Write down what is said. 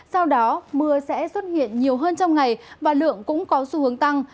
sau đó mưa sẽ xuất hiện nhiều hơn trong ngày và lượng cũng có xu hướng tăng